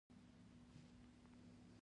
ټپي ته باید محبتناکه چلند وشي.